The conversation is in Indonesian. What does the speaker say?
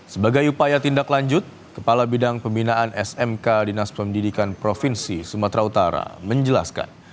sebagai upaya tindak lanjut kepala bidang pembinaan smk dinas pendidikan provinsi sumatera utara menjelaskan